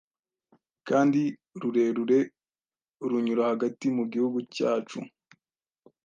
kandi rurerure runyura hagati mu Gihugu cyacu.